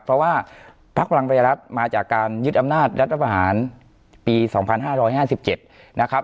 เพราะว่าพักพลังประชารัฐมาจากการยึดอำนาจรัฐประหารปี๒๕๕๗นะครับ